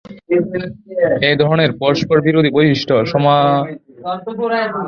এই ধরনের পরস্পরবিরোধী বৈশিষ্ট্য সমালোচকদের মতকে দ্বিধাবিভক্ত করেছে।